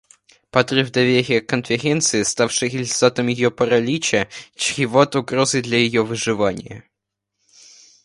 Подрыв доверия к Конференции, ставший результатом ее паралича, чреват угрозой для ее выживания.